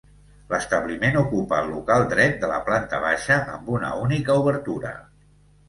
L'establiment ocupa el local dret de la planta baixa amb una única obertura.